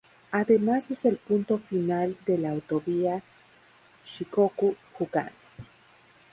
Además es el punto final de la Autovía Shikoku-Jukan.